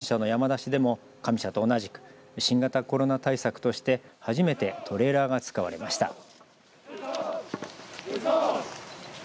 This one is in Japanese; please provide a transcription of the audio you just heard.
きょうから始まった下社の山出しでも上社と同じく新型コロナ対策として初めてトレーラーが使われました。